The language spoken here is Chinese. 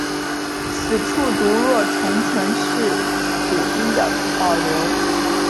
此处读若重唇是古音的保留。